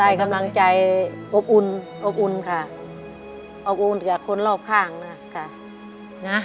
ได้กำลังใจอบอุ้นอบอุ้นค่ะอบอุ้นกับคนรอบข้างนะค่ะ